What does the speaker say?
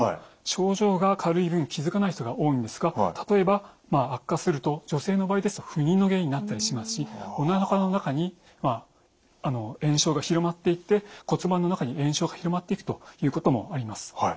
症状が軽い分気付かない人が多いんですが例えば悪化すると女性の場合ですと不妊の原因になったりしますしおなかの中に炎症が広まっていって骨盤の中に炎症が広まっていくということもあります。